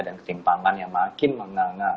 dan ketimpangan yang makin mengangal angal